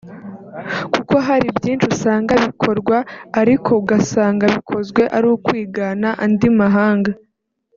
kuko hari byinshi usanga bikorwa ariko ugasanga bikozwe ari ukwigana andi mahanga